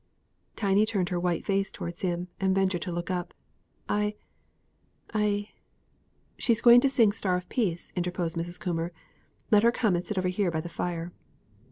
Tiny turned her white face towards him, and ventured to look up. "I I " "She's going to sing 'Star of Peace,'" interposed Mrs. Coomber; "let her come and sit over here by the fire."